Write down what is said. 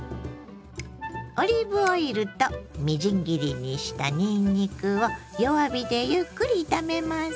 オリーブオイルとみじん切りにしたにんにくを弱火でゆっくり炒めます。